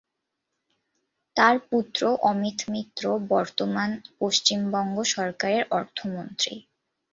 তার পুত্র অমিত মিত্র বর্তমান পশ্চিমবঙ্গ সরকারের অর্থমন্ত্রী।